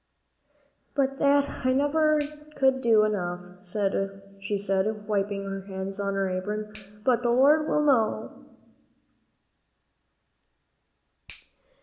"But that I never could do enough," she said, wiping her eyes on her apron, "but the Lord will, I know."